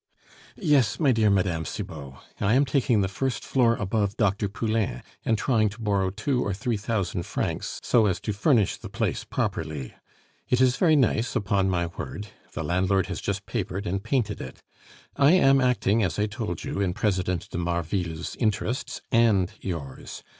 "Yes, my dear Mme. Cibot. I am taking the first floor above Dr. Poulain, and trying to borrow two or three thousand francs so as to furnish the place properly; it is very nice, upon my word, the landlord has just papered and painted it. I am acting, as I told you, in President de Marville's interests and yours....